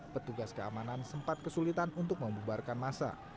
petugas keamanan sempat kesulitan untuk membubarkan masa